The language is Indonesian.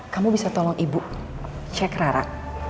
kamu bisa tolong ibu cek rara